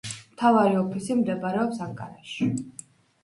მთავარი ოფისი მდებარეობს ანკარაში.